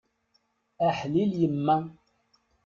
Aḥlil yemma!